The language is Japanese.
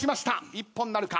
一本なるか？